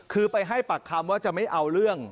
คือไปให้ปากคำว่าจะไม่เอาเรื่อง